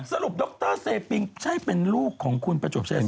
ดรเซปิงใช่เป็นลูกของคุณประจวบชายัน